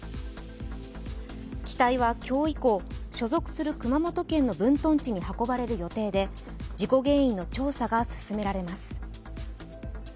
機体は今日以降、所属する熊本県の分屯地に運ばれる予定で、事故原因の調査が進められます。